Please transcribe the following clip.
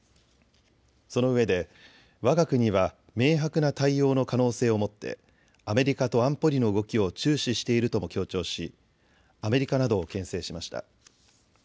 そのうえで、わが国は明白な対応の可能性をもってアメリカと安保理の動きを注視しているとも強調しアメリカなどをけん制しました。